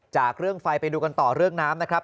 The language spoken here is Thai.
จากเรื่องไฟไปดูกันต่อเรื่องน้ำนะครับ